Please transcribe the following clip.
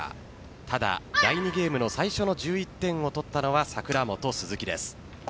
ただ、第２ゲームの最初の１１点を取ったのは櫻本・鈴木です。